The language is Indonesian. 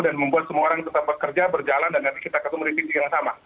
dan membuat semua orang tetap bekerja berjalan dan nanti kita ketemu di titik yang sama